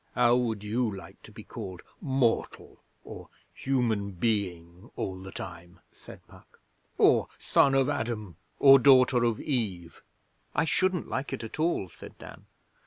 'How would you like to be called "mortal" or "human being" all the time?' said Puck; 'or "son of Adam" or "daughter of Eve"?' 'I shouldn't like it at all,' said Dan.